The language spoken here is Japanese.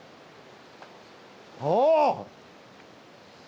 ああ！